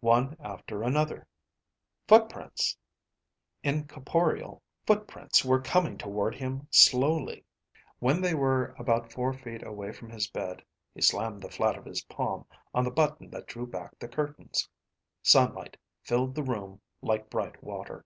One after another footprints! Incorporeal footprints were coming toward him slowly. When they were about four feet away from his bed, he slammed the flat of his palm on the button that drew back the curtains. Sunlight filled the room like bright water.